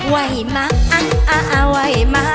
ไว้มาอ่ะไว้มา